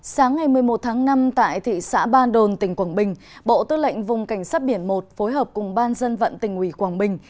sáng ngày một mươi một tháng năm tại thị xã ba đồn tỉnh quảng bình bộ tư lệnh vùng cảnh sát biển một phối hợp cùng ban dân vận tỉnh ủy quảng bình